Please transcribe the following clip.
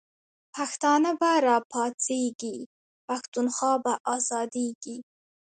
پښتانه به راپاڅیږی، پښتونخوا به آزادیږی